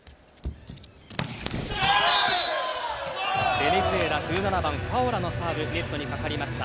ベネズエラ１７番ファオラのサーブネットにかかりました。